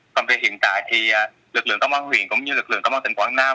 còn về hiện tại thì lực lượng công an huyện cũng như lực lượng công an tỉnh quảng nam